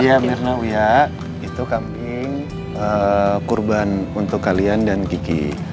iya mirna wia itu kambing kurban untuk kalian dan gigi